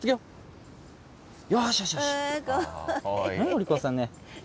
お利口さんね。